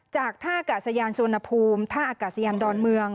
จากท่ากาศยานสุวรรณภูมิท่าอากาศยานดอนเมือง